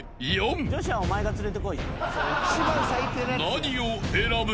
［何を選ぶ？］